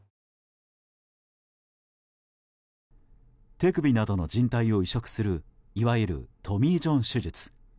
手首などのじん帯を移植するいわゆるトミー・ジョン手術。